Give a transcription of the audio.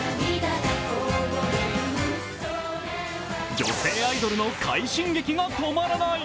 女性アイドルの快進撃が止まらない。